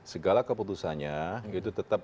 segala keputusannya itu tetap